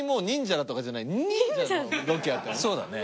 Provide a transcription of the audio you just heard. そうだね。